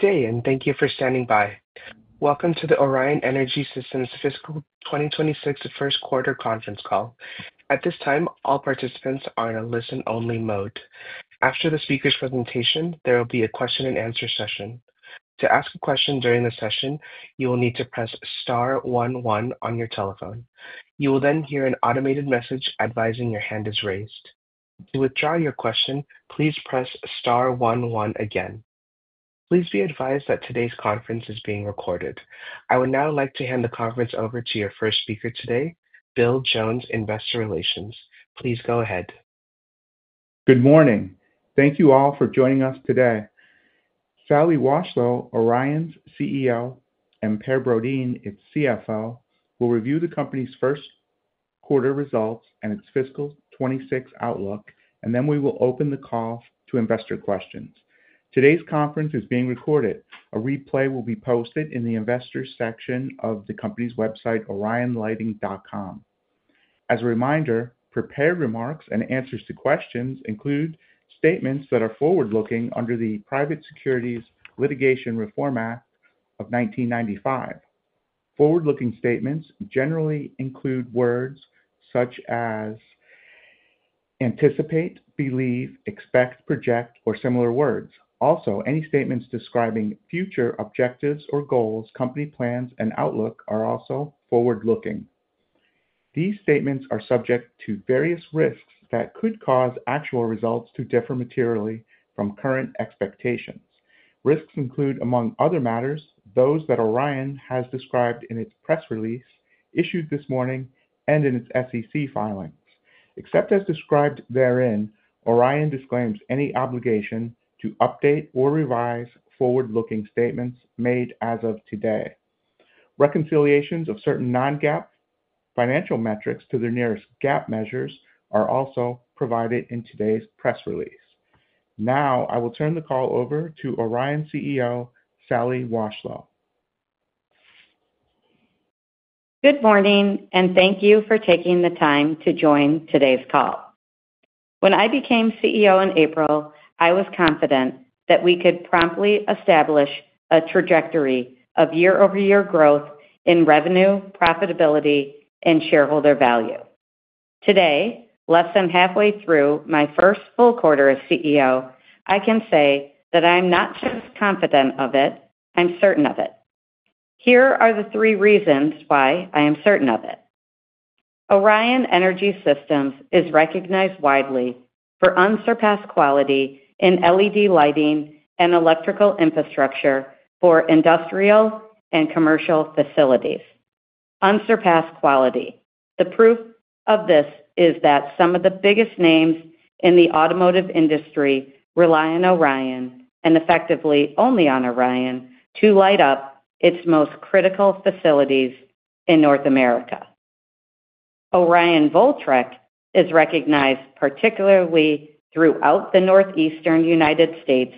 Good day, and thank you for standing by. Welcome to the Orion Energy Systems fiscal 2026 first quarter conference call. At this time, all participants are in a listen-only mode. After the speaker's presentation, there will be a question and answer session. To ask a question during the session, you will need to press *11 on your telephone. You will then hear an automated message advising your hand is raised. To withdraw your question, please press *11 again. Please be advised that today's conference is being recorded. I would now like to hand the conference over to your first speaker today, Bill Jones, Investor Relations. Please go ahead. Good morning. Thank you all for joining us today. Sally Washlow, Orion's CEO, and Per Brodin, its CFO, will review the company's first quarter results and its fiscal 2026 outlook, and then we will open the call to investor questions. Today's conference is being recorded. A replay will be posted in the investors' section of the company's website, orionlighting.com. As a reminder, prepared remarks and answers to questions include statements that are forward-looking under the Private Securities Litigation Reform Act of 1995. Forward-looking statements generally include words such as "anticipate," "believe," "expect," "project," or similar words. Also, any statements describing future objectives or goals, company plans, and outlook are also forward-looking. These statements are subject to various risks that could cause actual results to differ materially from current expectations. Risks include, among other matters, those that Orion has described in its press release issued this morning and in its SEC filings. Except as described therein, Orion disclaims any obligation to update or revise forward-looking statements made as of today. Reconciliations of certain non-GAAP financial metrics to their nearest GAAP measures are also provided in today's press release. Now, I will turn the call over to Orion CEO, Sally Washlow. Good morning, and thank you for taking the time to join today's call. When I became CEO in April, I was confident that we could promptly establish a trajectory of year-over-year growth in revenue, profitability, and shareholder value. Today, less than halfway through my first full quarter as CEO, I can say that I am not just confident of it; I'm certain of it. Here are the three reasons why I am certain of it. Orion Energy Systems is recognized widely for unsurpassed quality in LED lighting and electrical infrastructure for industrial and commercial facilities. Unsurpassed quality. The proof of this is that some of the biggest names in the automotive industry rely on Orion and effectively only on Orion to light up its most critical facilities in North America. Orion Voltrek is recognized particularly throughout the northeastern United States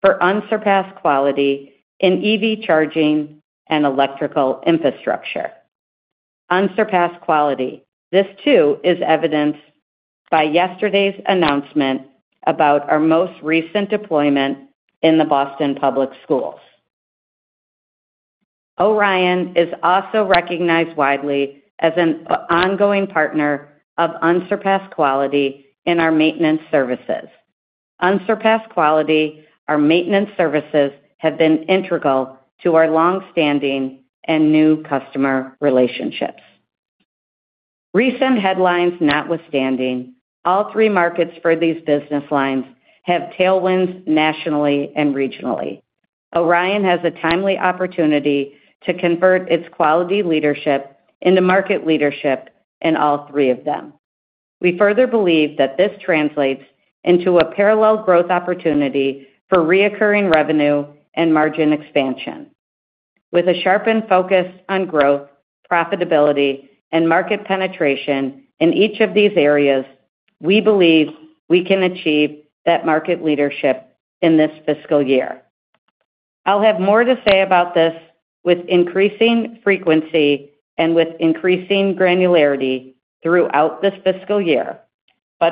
for unsurpassed quality in EV charging and electrical infrastructure. Unsurpassed quality. This, too, is evidenced by yesterday's announcement about our most recent deployment in the Boston Public Schools. Orion is also recognized widely as an ongoing partner of unsurpassed quality in our maintenance services. Unsurpassed quality. Our maintenance services have been integral to our longstanding and new customer relationships. Recent headlines notwithstanding, all three markets for these business lines have tailwinds nationally and regionally. Orion has a timely opportunity to convert its quality leadership into market leadership in all three of them. We further believe that this translates into a parallel growth opportunity for recurring revenue and margin expansion. With a sharpened focus on growth, profitability, and market penetration in each of these areas, we believe we can achieve that market leadership in this fiscal year. I'll have more to say about this with increasing frequency and with increasing granularity throughout this fiscal year.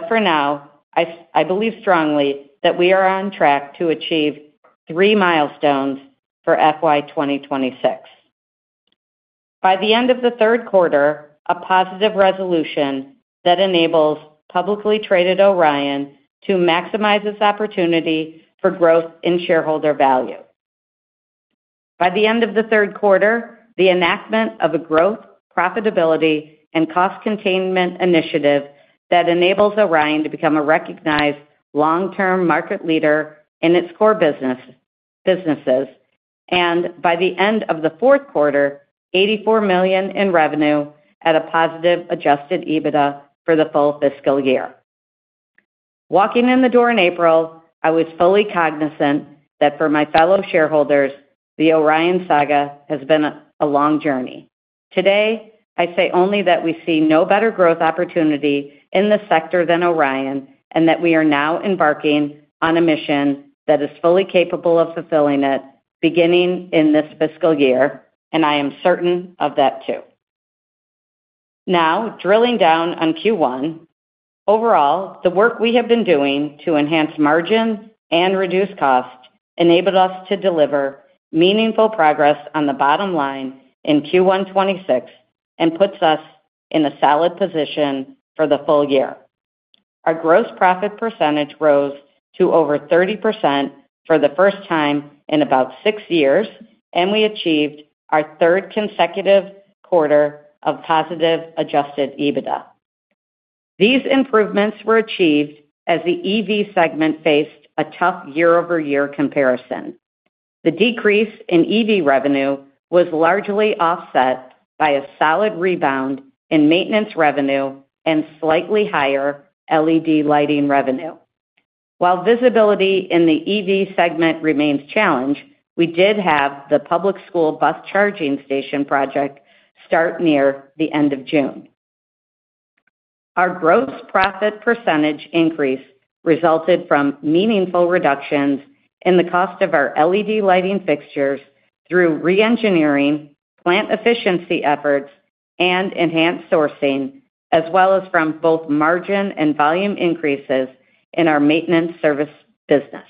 For now, I believe strongly that we are on track to achieve three milestones for FY 2026. By the end of the third quarter, a positive resolution that enables publicly traded Orion to maximize its opportunity for growth in shareholder value. By the end of the third quarter, the announcement of a growth, profitability, and cost containment initiative that enables Orion to become a recognized long-term market leader in its core businesses. By the end of the fourth quarter, $84 million in revenue at a positive adjusted EBITDA for the full fiscal year. Walking in the door in April, I was fully cognizant that for my fellow shareholders, the Orion saga has been a long journey. Today, I say only that we see no better growth opportunity in the sector than Orion and that we are now embarking on a mission that is fully capable of fulfilling it, beginning in this fiscal year, and I am certain of that, too. Now, drilling down on Q1, overall, the work we have been doing to enhance margin and reduce costs enabled us to deliver meaningful progress on the bottom line in Q1 2026 and puts us in a solid position for the full year. Our gross profit percentage rose to over 30% for the first time in about six years, and we achieved our third consecutive quarter of positive adjusted EBITDA. These improvements were achieved as the EV segment faced a tough year-over-year comparison. The decrease in EV revenue was largely offset by a solid rebound in maintenance revenue and slightly higher LED lighting revenue. While visibility in the EV segment remains a challenge, we did have the public school bus charging station project start near the end of June. Our gross profit percentage increase resulted from meaningful reductions in the cost of our LED lighting fixtures through re-engineering, plant efficiency efforts, and enhanced sourcing, as well as from both margin and volume increases in our maintenance service business.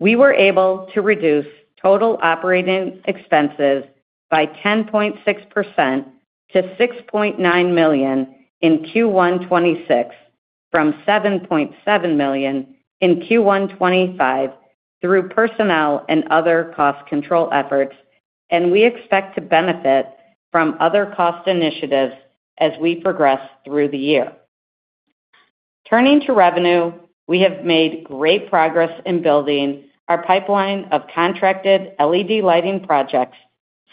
We were able to reduce total operating expenses by 10.6% to $6.9 million in Q1 2026, from $7.7 million in Q1 2025 through personnel and other cost control efforts, and we expect to benefit from other cost initiatives as we progress through the year. Turning to revenue, we have made great progress in building our pipeline of contracted LED lighting projects,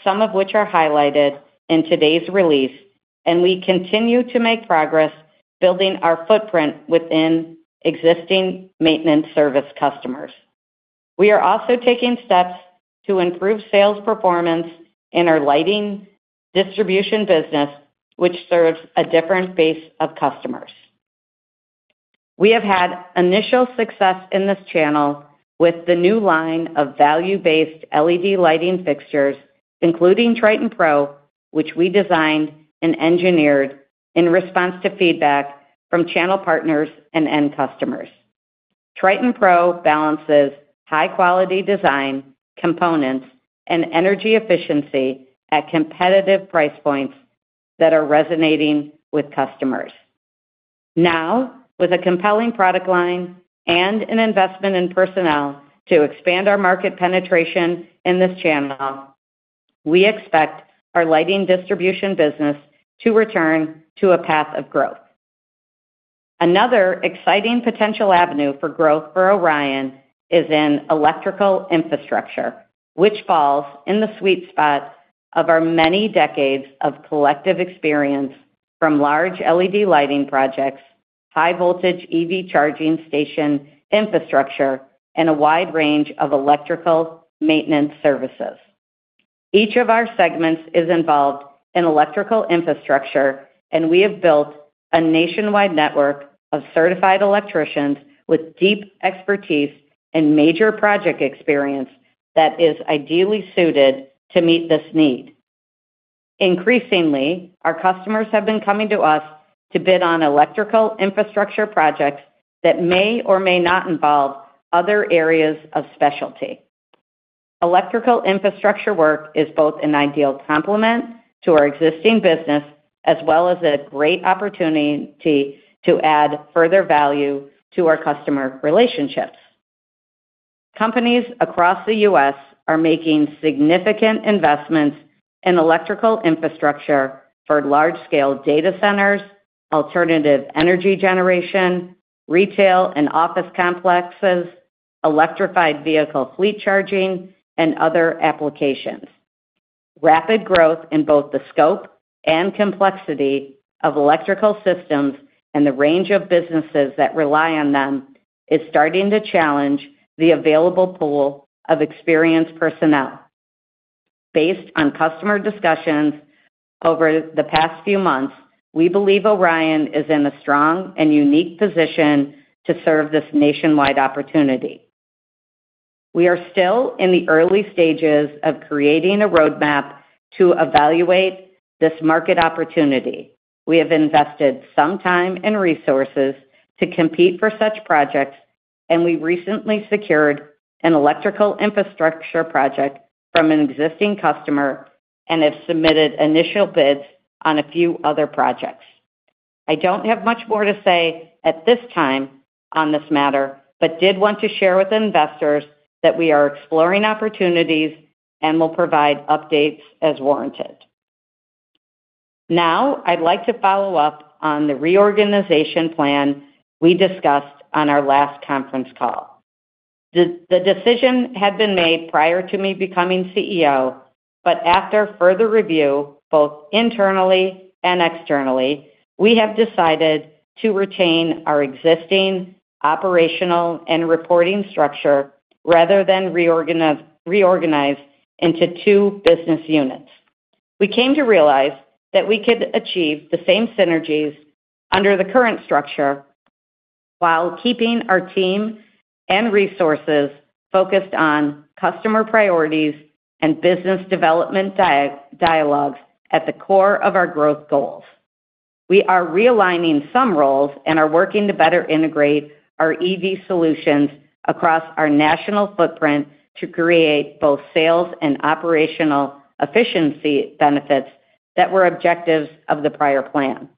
some of which are highlighted in today's release, and we continue to make progress building our footprint within existing maintenance service customers. We are also taking steps to improve sales performance in our lighting distribution business, which serves a different base of customers. We have had initial success in this channel with the new line of value-based LED lighting fixtures, including Triton Pro, which we designed and engineered in response to feedback from channel partners and end customers. Triton Pro balances high-quality design, components, and energy efficiency at competitive price points that are resonating with customers. Now, with a compelling product line and an investment in personnel to expand our market penetration in this channel, we expect our lighting distribution business to return to a path of growth. Another exciting potential avenue for growth for Orion is in electrical infrastructure, which falls in the sweet spot of our many decades of collective experience from large LED lighting projects, high-voltage EV charging station infrastructure, and a wide range of electrical maintenance services. Each of our segments is involved in electrical infrastructure, and we have built a nationwide network of certified electricians with deep expertise and major project experience that is ideally suited to meet this need. Increasingly, our customers have been coming to us to bid on electrical infrastructure projects that may or may not involve other areas of specialty. Electrical infrastructure work is both an ideal complement to our existing business as well as a great opportunity to add further value to our customer relationships. Companies across the U.S. are making significant investments in electrical infrastructure for large-scale data centers, alternative energy generation, retail and office complexes, electrified vehicle fleet charging, and other applications. Rapid growth in both the scope and complexity of electrical systems and the range of businesses that rely on them is starting to challenge the available pool of experienced personnel. Based on customer discussions over the past few months, we believe Orion is in a strong and unique position to serve this nationwide opportunity. We are still in the early stages of creating a roadmap to evaluate this market opportunity. We have invested some time and resources to compete for such projects, and we recently secured an electrical infrastructure project from an existing customer and have submitted initial bids on a few other projects. I don't have much more to say at this time on this matter, but did want to share with investors that we are exploring opportunities and will provide updates as warranted. Now, I'd like to follow up on the reorganization plan we discussed on our last conference call. The decision had been made prior to me becoming CEO, but after further review, both internally and externally, we have decided to retain our existing operational and reporting structure rather than reorganize into two business units. We came to realize that we could achieve the same synergies under the current structure while keeping our team and resources focused on customer priorities and business development dialogues at the core of our growth goals. We are realigning some roles and are working to better integrate our EV charging solutions across our national footprint to create both sales and operational efficiency benefits that were objectives of the prior plan.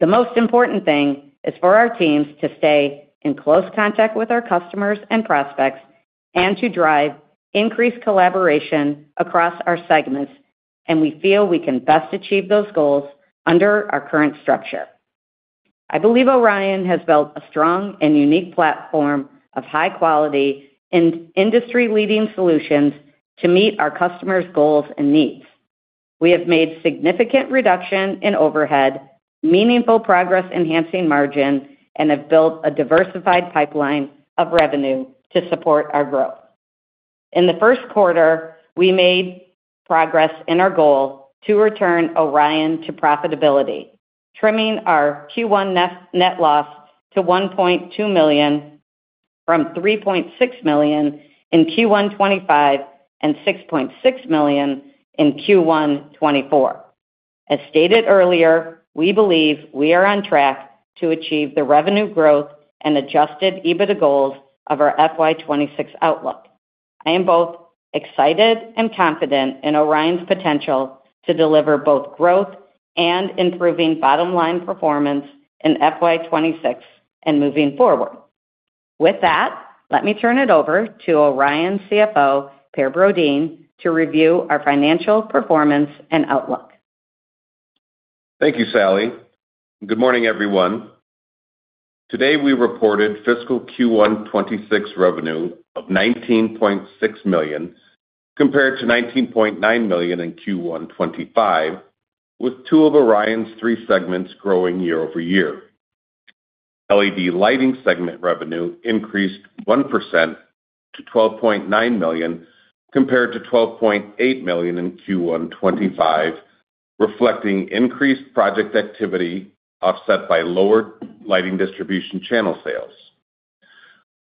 The most important thing is for our teams to stay in close contact with our customers and prospects and to drive increased collaboration across our segments, and we feel we can best achieve those goals under our current structure. I believe Orion Energy Systems has built a strong and unique platform of high-quality and industry-leading solutions to meet our customers' goals and needs. We have made significant reduction in overhead, meaningful progress enhancing margin, and have built a diversified pipeline of revenue to support our growth. In the first quarter, we made progress in our goal to return Orion Energy Systems to profitability, trimming our Q1 net loss to $1.2 million from $3.6 million in Q1 2025 and $6.6 million in Q1 2024. As stated earlier, we believe we are on track to achieve the revenue growth and adjusted EBITDA goals of our FY 2026 outlook. I am both excited and confident in Orion Energy Systems' potential to deliver both growth and improving bottom-line performance in FY 2026 and moving forward. With that, let me turn it over to Orion Energy Systems CFO, Per Brodin, to review our financial performance and outlook. Thank you, Sally. Good morning, everyone. Today, we reported fiscal Q1 2026 revenue of $19.6 million compared to $19.9 million in Q1 2025, with two of Orion's three segments growing year-over-year. LED lighting segment revenue increased 1% to $12.9 million compared to $12.8 million in Q1 2025, reflecting increased project activity offset by lower lighting distribution channel sales.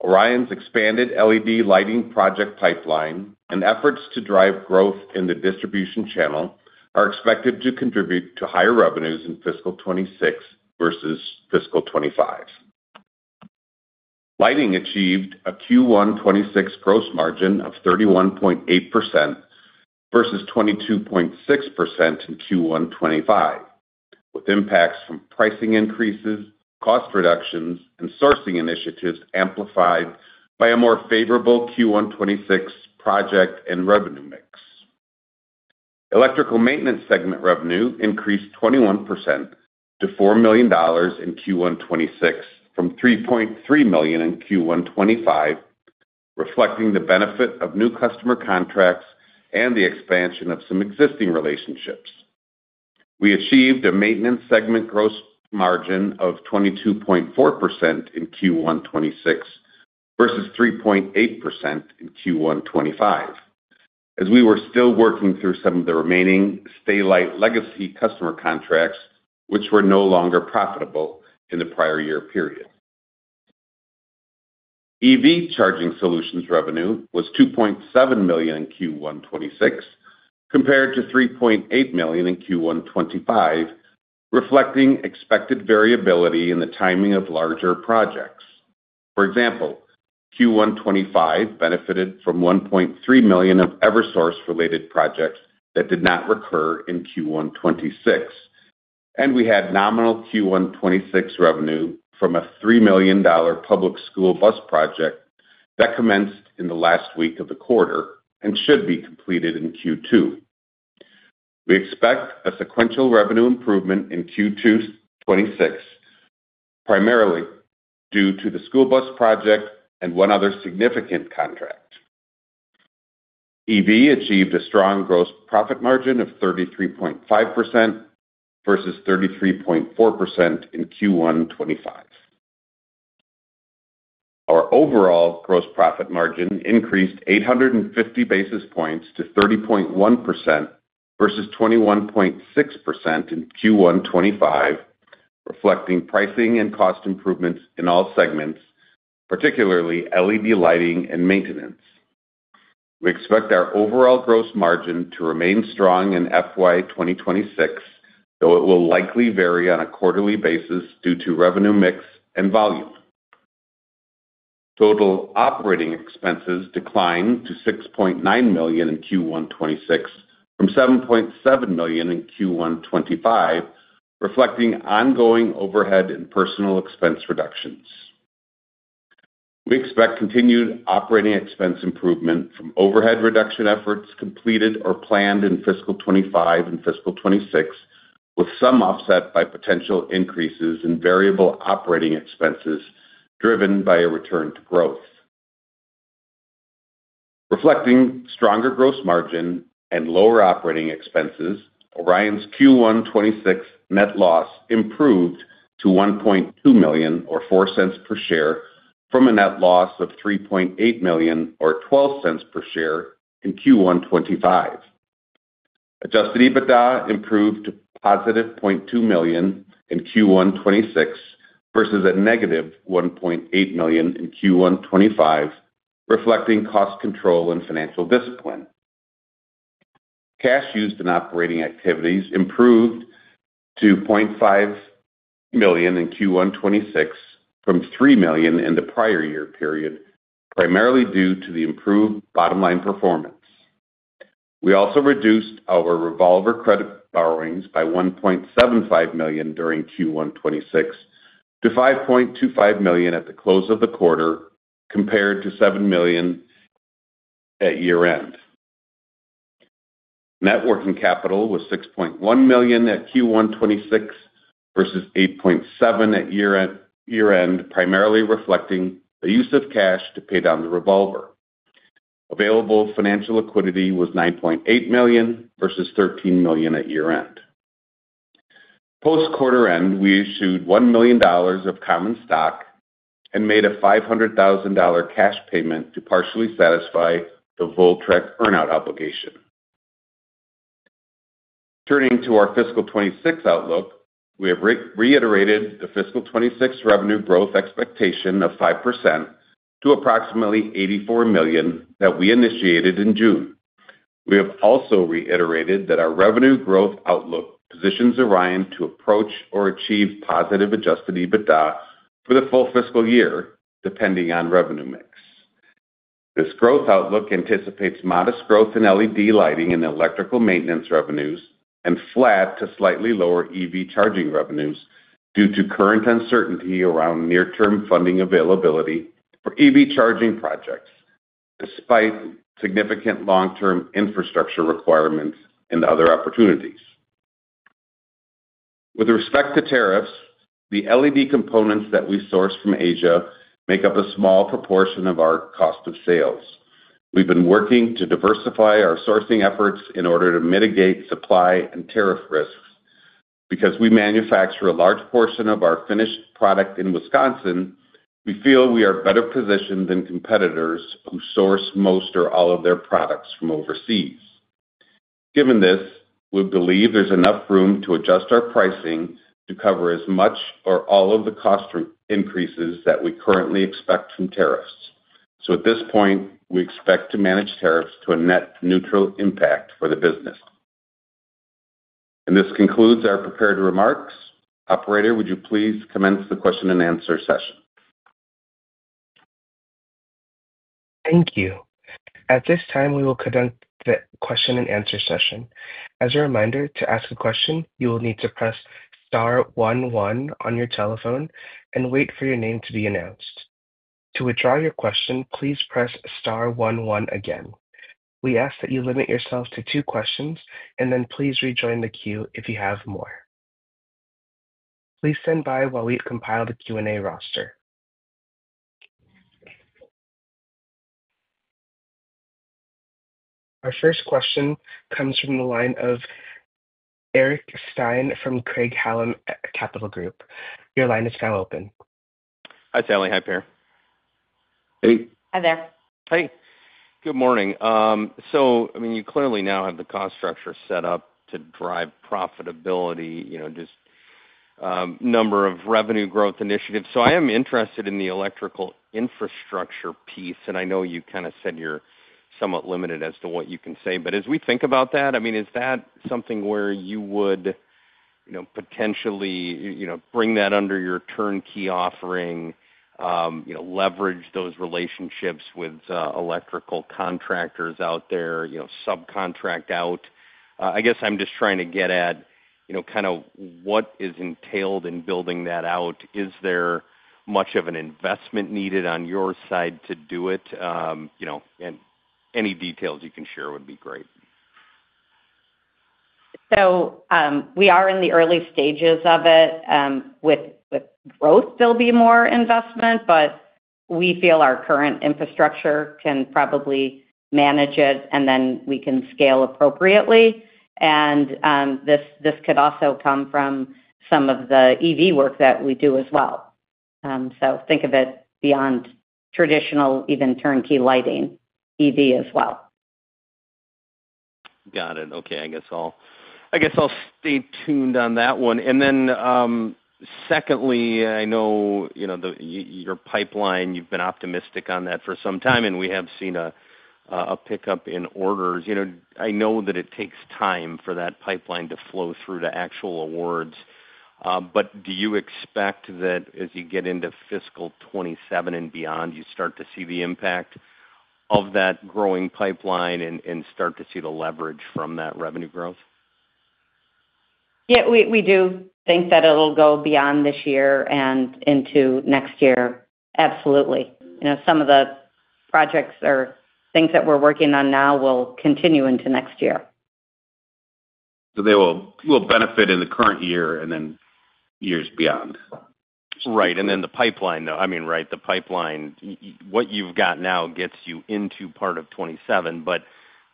Orion's expanded LED lighting project pipeline and efforts to drive growth in the distribution channel are expected to contribute to higher revenues in fiscal 2026 versus fiscal 2025. Lighting achieved a Q1 2026 gross margin of 31.8% versus 22.6% in Q1 2025, with impacts from pricing increases, cost reductions, and sourcing initiatives amplified by a more favorable Q1 2026 project and revenue mix. Electrical maintenance segment revenue increased 21% to $4 million in Q1 2026 from $3.3 million in Q1 2025, reflecting the benefit of new customer contracts and the expansion of some existing relationships. We achieved a maintenance segment gross margin of 22.4% in Q1 2026 versus 3.8% in Q1 2025, as we were still working through some of the remaining StayLight legacy customer contracts, which were no longer profitable in the prior year period. EV charging solutions revenue was $2.7 million in Q1 2026 compared to $3.8 million in Q1 2025, reflecting expected variability in the timing of larger projects. For example, Q1 2025 benefited from $1.3 million of Eversource-related projects that did not recur in Q1 2026, and we had nominal Q1 2026 revenue from a $3 million public school bus project that commenced in the last week of the quarter and should be completed in Q2. We expect a sequential revenue improvement in Q2 2026, primarily due to the school bus project and one other significant contract. EV achieved a strong gross profit margin of 33.5% versus 33.4% in Q1 2025. Our overall gross profit margin increased 850 basis points to 30.1% versus 21.6% in Q1 2025, reflecting pricing and cost improvements in all segments, particularly LED lighting and maintenance. We expect our overall gross margin to remain strong in FY 2026, though it will likely vary on a quarterly basis due to revenue mix and volume. Total operating expenses declined to $6.9 million in Q1 2026 from $7.7 million in Q1 2025, reflecting ongoing overhead and personnel expense reductions. We expect continued operating expense improvement from overhead reduction efforts completed or planned in fiscal 2025 and fiscal 2026, with some offset by potential increases in variable operating expenses driven by a return to growth. Reflecting stronger gross margin and lower operating expenses, Orion's Q1 2026 net loss improved to $1.2 million or $0.04 per share from a net loss of $3.8 million or $0.12 per share in Q1 2025. Adjusted EBITDA improved to positive $0.2 million in Q1 2026 versus a negative $1.8 million in Q1 2025, reflecting cost control and financial discipline. Cash used in operating activities improved to $0.5 million in Q1 2026 from $3 million in the prior year period, primarily due to the improved bottom-line performance. We also reduced our revolver credit borrowings by $1.75 million during Q1 2026 to $5.25 million at the close of the quarter, compared to $7 million at year-end. Net working capital was $6.1 million at Q1 2026 versus $8.7 million at year-end, primarily reflecting the use of cash to pay down the revolver. Available financial liquidity was $9.8 million versus $13 million at year-end. Post-quarter end, we issued $1 million of common stock and made a $500,000 cash payment to partially satisfy the Voltrek earnout obligation. Turning to our fiscal 2026 outlook, we have reiterated the fiscal 2026 revenue growth expectation of 5% to approximately $84 million that we initiated in June. We have also reiterated that our revenue growth outlook positions Orion to approach or achieve positive adjusted EBITDA for the full fiscal year, depending on revenue mix. This growth outlook anticipates modest growth in LED lighting and electrical maintenance revenues and flat to slightly lower EV charging revenues due to current uncertainty around near-term funding availability for EV charging projects, despite significant long-term infrastructure requirements and other opportunities. With respect to tariffs, the LED components that we source from Asia make up a small proportion of our cost of sales. We've been working to diversify our sourcing efforts in order to mitigate supply and tariff risks. Because we manufacture a large portion of our finished product in Wisconsin, we feel we are better positioned than competitors who source most or all of their products from overseas. Given this, we believe there's enough room to adjust our pricing to cover as much or all of the cost increases that we currently expect from tariffs. At this point, we expect to manage tariffs to a net neutral impact for the business. This concludes our prepared remarks. Operator, would you please commence the question and answer session? Thank you. At this time, we will conduct the question and answer session. As a reminder, to ask a question, you will need to press *11 on your telephone and wait for your name to be announced. To withdraw your question, please press *11 again. We ask that you limit yourself to two questions and then please rejoin the queue if you have more. Please stand by while we compile the Q&A roster. Our first question comes from the line of Eric Stein from Craig-Hallum Capital Group. Your line is now open. Hi, Sally. Hi, Per. Hey. Hi there. Hi. Good morning. You clearly now have the cost structure set up to drive profitability, just a number of revenue growth initiatives. I am interested in the electrical infrastructure piece, and I know you kind of said you're somewhat limited as to what you can say, but as we think about that, is that something where you would potentially bring that under your turnkey offering, leverage those relationships with electrical contractors out there, subcontract out? I guess I'm just trying to get at what is entailed in building that out. Is there much of an investment needed on your side to do it? Any details you can share would be great. We are in the early stages of it. With growth, there'll be more investment, but we feel our current infrastructure can probably manage it, and then we can scale appropriately. This could also come from some of the EV work that we do as well. Think of it beyond traditional, even turnkey lighting, EV as well. Got it. Okay. I guess I'll stay tuned on that one. Secondly, I know your pipeline, you've been optimistic on that for some time, and we have seen a pickup in orders. I know that it takes time for that pipeline to flow through to actual awards, but do you expect that as you get into fiscal 2027 and beyond, you start to see the impact of that growing pipeline and start to see the leverage from that revenue growth? Yeah, we do think that it'll go beyond this year and into next year, absolutely. Some of the projects or things that we're working on now will continue into next year. They will benefit in the current year and then years beyond. Right. The pipeline, what you've got now gets you into part of 2027, but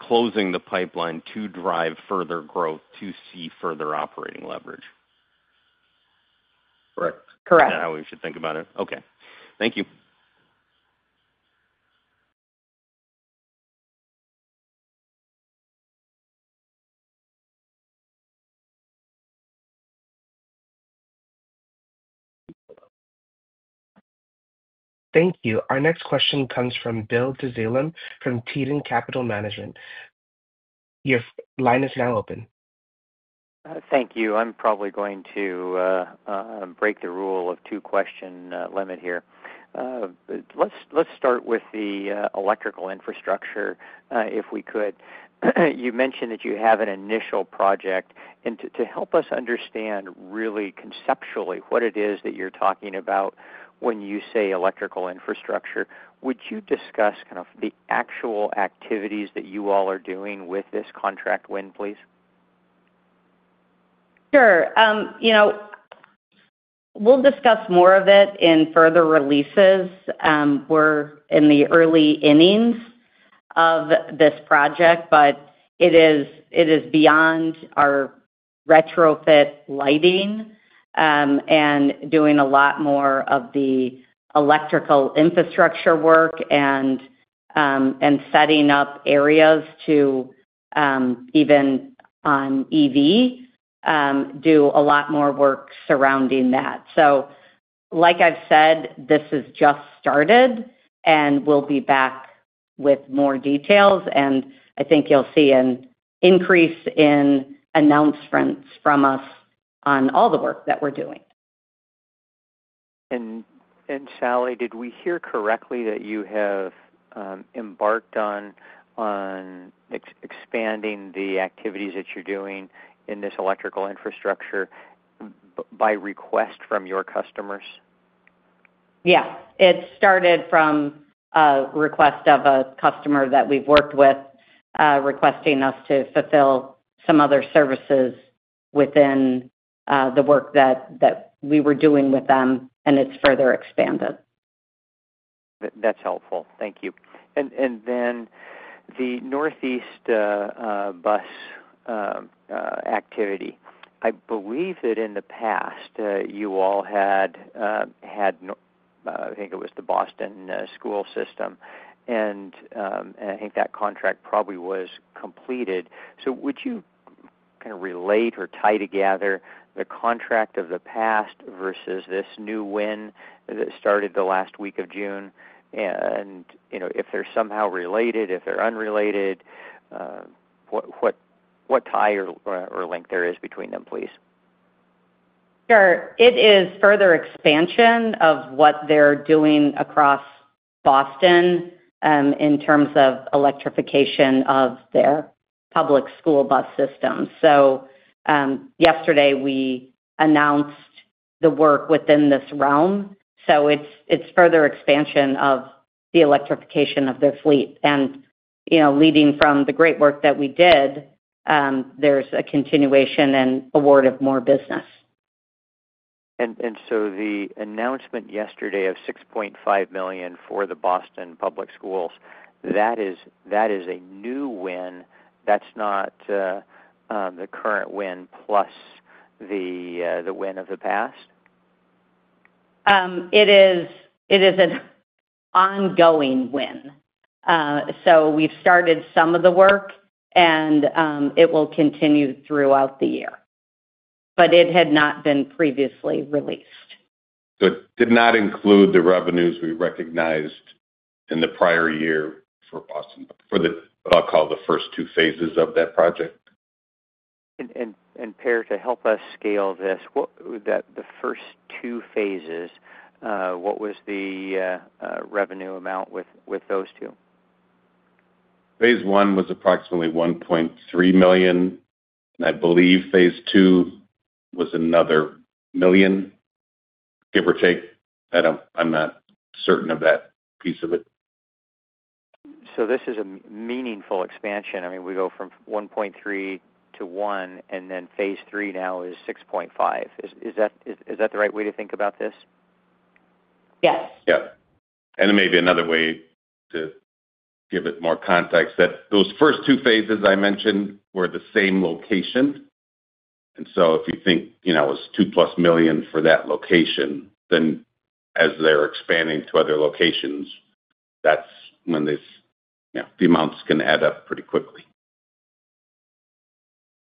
closing the pipeline to drive further growth to see further operating leverage. Correct. Correct. Is that how we should think about it? Okay, thank you. Thank you. Our next question comes from Bill Dezellem from Tieton Capital Management. Your line is now open. Thank you. I'm probably going to break the rule of two question limit here. Let's start with the electrical infrastructure, if we could. You mentioned that you have an initial project, and to help us understand really conceptually what it is that you're talking about when you say electrical infrastructure, would you discuss kind of the actual activities that you all are doing with this contract win, please? Sure. We'll discuss more of it in further releases. We're in the early innings of this project, but it is beyond our retrofit lighting and doing a lot more of the electrical infrastructure work and setting up areas to even on EV do a lot more work surrounding that. Like I've said, this has just started, and we'll be back with more details. I think you'll see an increase in announcements from us on all the work that we're doing. Sally, did we hear correctly that you have embarked on expanding the activities that you're doing in this electrical infrastructure by request from your customers? Yeah. It started from a request of a customer that we've worked with, requesting us to fulfill some other services within the work that we were doing with them, and it's further expanded. That's helpful. Thank you. The Northeast bus activity, I believe that in the past you all had, I think it was the Boston Public Schools, and I think that contract probably was completed. Would you kind of relate or tie together the contract of the past versus this new win that started the last week of June, and you know if they're somehow related, if they're unrelated, what tie or link there is between them, please? Sure. It is further expansion of what they're doing across Boston in terms of electrification of their public school bus system. Yesterday we announced the work within this realm. It's further expansion of the electrification of their fleet. Leading from the great work that we did, there's a continuation and award of more business. The announcement yesterday of $6.5 million for the Boston Public Schools, that is a new win. That's not the current win plus the win of the past? It is an ongoing win. We've started some of the work, and it will continue throughout the year, but it had not been previously released. It did not include the revenues we recognized in the prior year for Boston, for what I'll call the first two phases of that project. Per, to help us scale this, what were the first two phases, what was the revenue amount with those two? Phase one was approximately $1.3 million, and I believe phase two was another $1 million, give or take. I'm not certain of that piece of it. This is a meaningful expansion. I mean, we go from $1.3 million to $1 million, and then phase three now is $6.5 million. Is that the right way to think about this? Yes. Yeah. It may be another way to give it more context that those first two phases I mentioned were the same location. If you think, you know, it was $2+ million for that location, then as they're expanding to other locations, that's when the amounts can add up pretty quickly.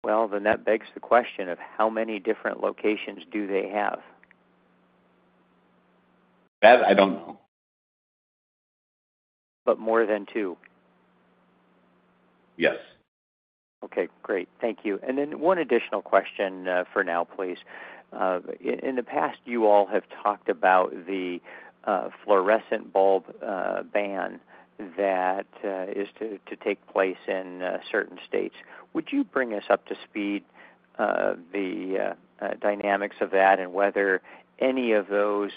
That begs the question of how many different locations do they have? That, I don't know. More than two? Yes. Okay. Great. Thank you. One additional question for now, please. In the past, you all have talked about the fluorescent bulb bans that are to take place in certain states. Would you bring us up to speed on the dynamics of that and whether any of those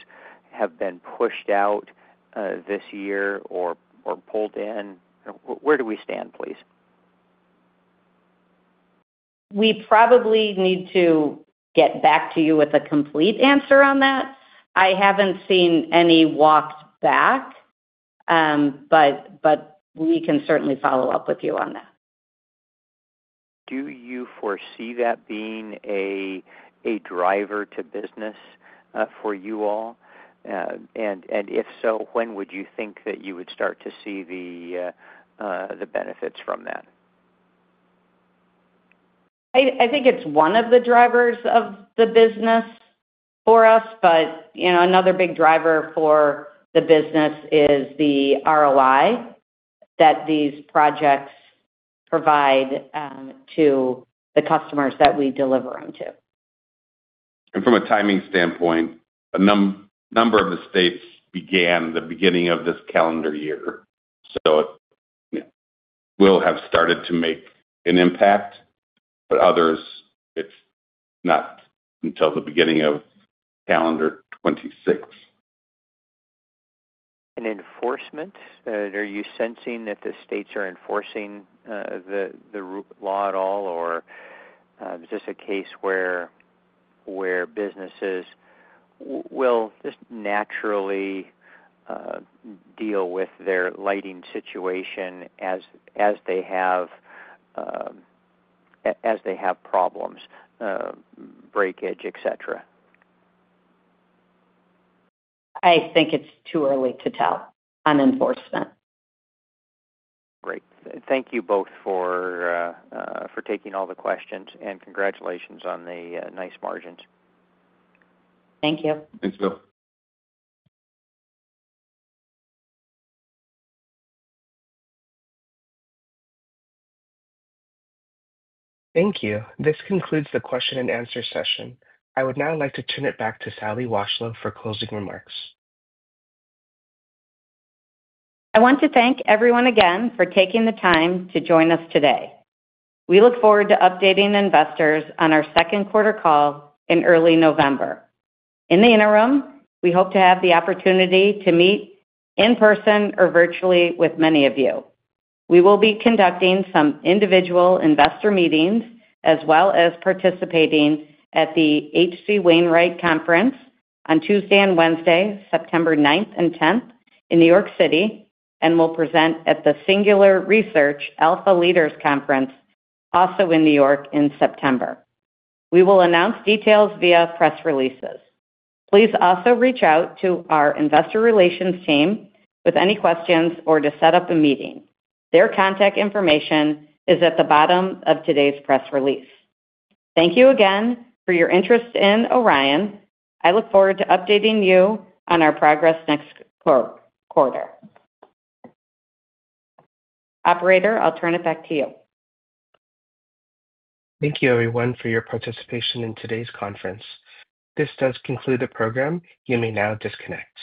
have been pushed out this year or pulled in? Where do we stand, please? We probably need to get back to you with a complete answer on that. I haven't seen any walked back, but we can certainly follow up with you on that. Do you foresee that being a driver to business for you all? If so, when would you think that you would start to see the benefits from that? I think it's one of the drivers of the business for us, you know, another big driver for the business is the ROI that these projects provide to the customers that we deliver them to. From a timing standpoint, a number of the states began the beginning of this calendar year. It will have started to make an impact, but others, it's not until the beginning of calendar 2026. Are you sensing that the states are enforcing the law at all, or is this a case where businesses will just naturally deal with their lighting situation as they have problems, breakage, et cetera? I think it's too early to tell on enforcement. Great. Thank you both for taking all the questions, and congratulations on the nice margins. Thank you. Me too. Thank you. This concludes the question and answer session. I would now like to turn it back to Sally Washlow for closing remarks. I want to thank everyone again for taking the time to join us today. We look forward to updating investors on our second quarter call in early November. In the interim, we hope to have the opportunity to meet in person or virtually with many of you. We will be conducting some individual investor meetings, as well as participating at the H.C. Wainwright Conference on Tuesday and Wednesday, September 9th and 10th in New York, and will present at the Singular Research Alpha Leaders Conference, also in New York, in September. We will announce details via press releases. Please also reach out to our Investor Relations team with any questions or to set up a meeting. Their contact information is at the bottom of today's press release. Thank you again for your interest in Orion. I look forward to updating you on our progress next quarter. Operator, I'll turn it back to you. Thank you, everyone, for your participation in today's conference. This does conclude the program. You may now disconnect.